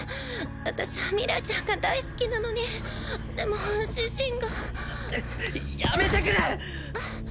私は明日ちゃんが大好きなのにでも主人がやめてくれ！